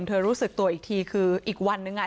รู้สึกตัวอีกทีคืออีกวันนึงอ่ะ